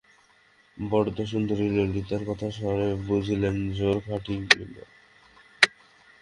বরদাসুন্দরী ললিতার কথার স্বরে বুঝিলেন, জোর খাটিবে না।